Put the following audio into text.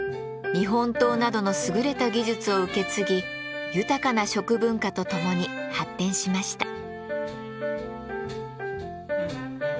日本刀などの優れた技術を受け継ぎ豊かな食文化とともに発展しました。